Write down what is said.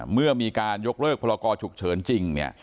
เมื่อมีการยกเลิกพรกรฉุกเฉินจริง